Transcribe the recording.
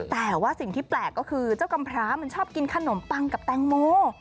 แต่ว่าสิ่งที่แปลกก็คือเจ้ากำพร้ามันชอบกินขนมปังกับแตงโม